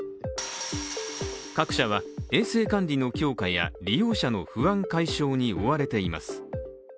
各社は、衛生管理の強化や、利用者の不安解消に追われています。